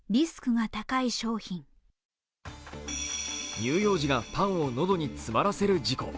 乳幼児がパンを喉に詰まらせる事故。